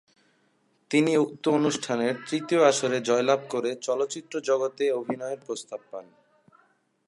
তিনি উক্ত অনুষ্ঠানের তৃতীয় আসরে জয়লাভ করে চলচ্চিত্র জগতে অভিনয়ের প্রস্তাব পান।